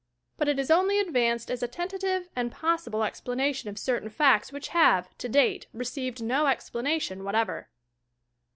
But it is only advanced as a tentative and possible explanation of certain facts which have, to date, received no explanation whatever.